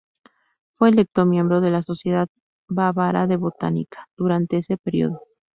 Fue electo miembro de la "Sociedad Bávara de Botánica" durante ese periodo.